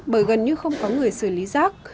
bởi gần như không có người xử lý giác